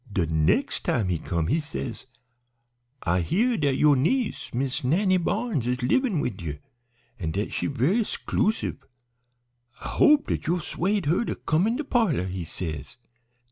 "De nex' time he come he says, 'I hear dat yo'r niece, Miss Nannie Barnes, is livin' wid you, an' dat she is ve'y 'sclusive. I hope dat you'll 'suade her to come in de parlor,' he says.